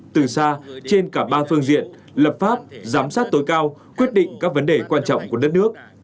từ xa trên cả ba phương diện lập pháp giám sát tối cao quyết định các vấn đề quan trọng của đất nước